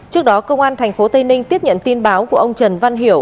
trước đó công an tp tây ninh tiếp nhận tin báo của ông trần văn hiểu